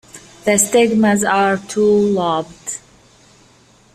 The stigmas are two-lobed.